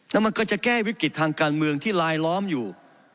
แล้วมันก็จะแก้วิกฤติทางการเมืองที่ลายล้อมอยู่